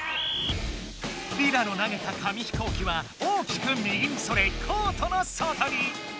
リラの投げた紙飛行機は大きく右にそれコートの外に。